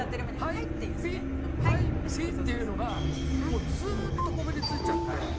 ピッ！っていうのがもうずっとこびりついちゃって。